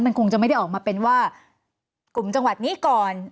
มันคงจะไม่ได้ออกมาเป็นว่ากลุ่มจังหวัดนี้ก่อน